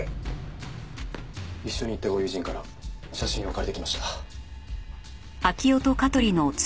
一緒に行ったご友人から写真を借りてきました。